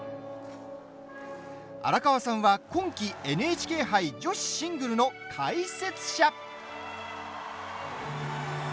荒川さんは、今季ＮＨＫ杯女子シングルの解説者。